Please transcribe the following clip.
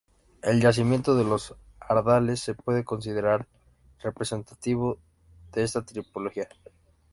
El yacimiento de Los Ardales se puede considerar representativo de esta tipología.